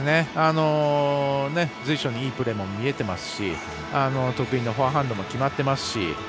随所にいいプレーも見えていますし得意のフォアハンドも決まってますし